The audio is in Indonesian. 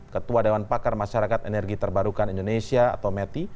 ketua dewan pakar masyarakat energi terbarukan indonesia atau meti